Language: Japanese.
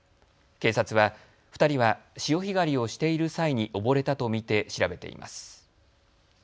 警察は２人は潮干狩りをしている際に溺れたと見て調べています。